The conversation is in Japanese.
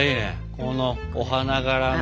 このお花柄の。